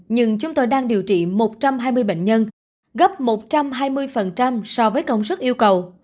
nhưng chúng tôi đang điều trị một trăm hai mươi bệnh nhân gấp một trăm hai mươi so với công sức yêu cầu